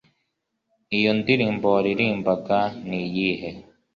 Iyo ndirimbo waririmbaga niyihe